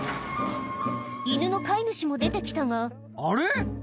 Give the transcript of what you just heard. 犬の飼い主も出て来たがあれ？